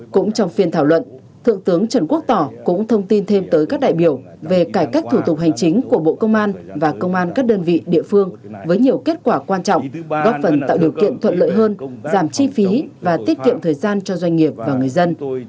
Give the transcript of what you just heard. cũng trong phiên thảo luận thượng tướng trần quốc tỏ cũng thông tin thêm tới các đại biểu về cải cách thủ tục hành chính của bộ công an và công an các đơn vị địa phương với nhiều kết quả quan trọng góp phần tạo điều kiện thuận lợi hơn giảm chi phí và tiết kiệm thời gian cho doanh nghiệp và người dân